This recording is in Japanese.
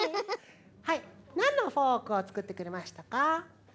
はいなんのフォークをつくってくれましたか？